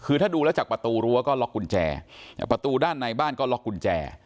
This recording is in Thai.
คือถ้าดูแล้วจากประตูรั้วก็ล็อกกุญแจประตูด้านในบ้านก็ล็อกกุญแจ